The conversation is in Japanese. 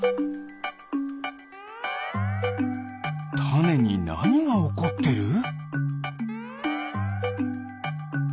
タネになにがおこってる？